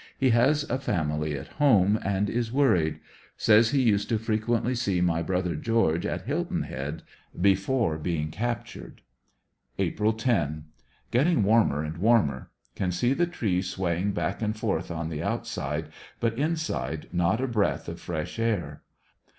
He has a family at home and is worried. Says he used to frequently see my brother George at Hilton Head, before being captured. April 10. — Getting warmer and warmer. Can see the trees sway ing bacK and forth on the outside, but inside not a breath of fresh air.